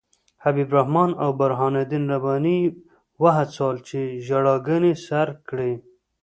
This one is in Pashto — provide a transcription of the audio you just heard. حبیب الرحمن او برهان الدین رباني یې وهڅول چې ژړاګانې سر کړي.